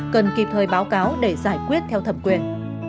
cần kịp thời báo cáo để giải quyết theo thẩm quyền